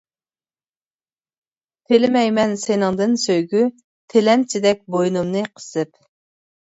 تىلىمەيمەن سېنىڭدىن سۆيگۈ، تىلەمچىدەك بوينۇمنى قىسىپ.